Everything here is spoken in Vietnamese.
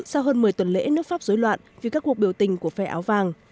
sau hơn một mươi tuần lễ nước pháp dối loạn vì các cuộc biểu tình của phe áo vàng